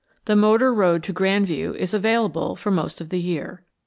The motor road to Grand View is available for most of the year.